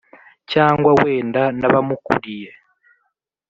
cyangwa wenda n`abamukuriye.